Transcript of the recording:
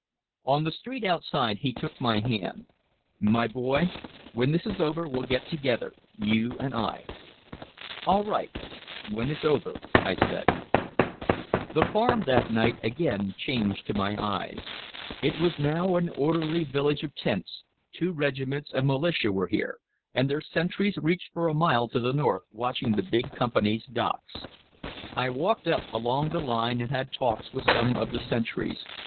On the street outside he took my hand: "My boy, when this is over we'll get together, you and I." "All right when it's over," I said. The Farm that night again changed to my eyes. It was now an orderly village of tents, two regiments of militia were here, and their sentries reached for a mile to the north watching the big companies' docks. I walked up along the line and had talks with some of the sentries.